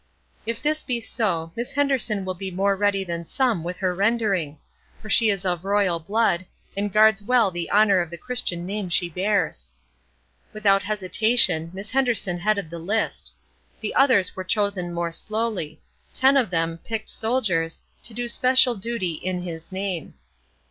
If this be so, Miss Henderson will be more ready than some with her rendering; for she is of royal blood, and guards well the honor of the Christian name she bears. Without hesitation, Miss Henderson headed the list. The others were chosen more slowly; ten of them, picked soldiers, to do special duty "in His name."